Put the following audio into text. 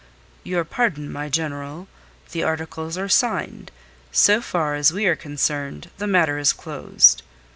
"Your pardon, my General. The articles are signed. So far as we are concerned, the matter is closed.